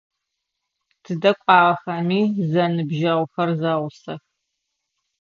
Тыдэ кӏуагъэхэми, зэныбджэгъухэр зэгъусэх.